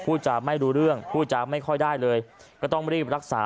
จะไม่รู้เรื่องพูดจะไม่ค่อยได้เลยก็ต้องรีบรักษา